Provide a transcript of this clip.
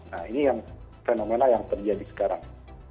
nah ini yang fenomena yang terjadi sekarang